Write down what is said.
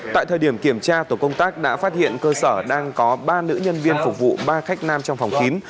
tại thời điểm kiểm tra tổ công tác đã phát hiện cơ sở đang có ba nữ nhân viên phục vụ ba khách nam trong phòng kín